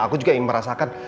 aku juga ingin merasakan